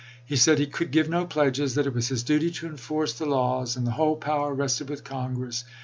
He said " he could give no pledges ; that it was his duty to enforce the laws, and the whole power rested with Congress.